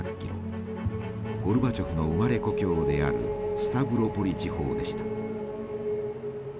ゴルバチョフの生まれ故郷であるスタブロポリ地方でした。